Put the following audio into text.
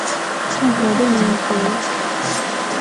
政和六年卒。